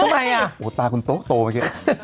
ก็แม่ง